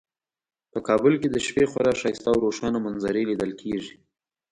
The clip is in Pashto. په کابل کې د شپې خورا ښایسته او روښانه منظرې لیدل کیږي